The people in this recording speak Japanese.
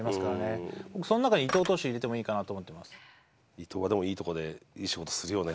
伊藤はでもいいとこでいい仕事するよね